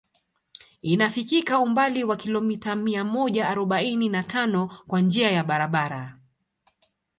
Inafikika umbali wa kilomita mia moja arobaini na tano kwa njia ya barabara